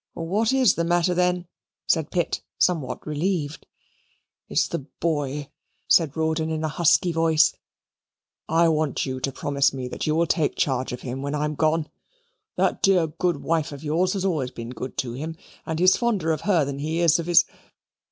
"What is the matter, then?" said Pitt, somewhat relieved. "It's the boy," said Rawdon in a husky voice. "I want you to promise me that you will take charge of him when I'm gone. That dear good wife of yours has always been good to him; and he's fonder of her than he is of his